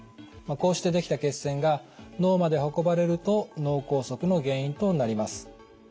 こうしてできた血栓が脳まで運ばれると脳梗塞の原因となります。